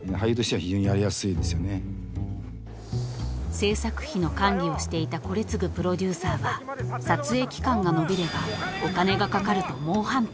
［製作費の管理をしていた惟二プロデューサーは撮影期間が延びればお金がかかると猛反対］